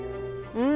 うん。